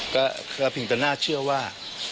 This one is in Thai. ก็แค่เพียงจะน่าเชื่อว่า